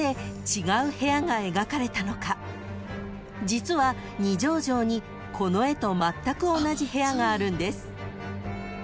［実は二条城にこの絵と全く同じ部屋があるんです］